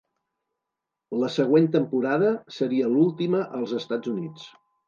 La següent temporada seria l'última als Estats Units.